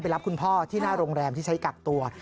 รับคุณพ่อที่หน้าโรงแรมที่ใช้กักตัว